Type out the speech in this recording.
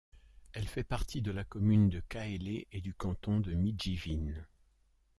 Elle fait partie de la commune de Kaélé et du canton de Midjivin.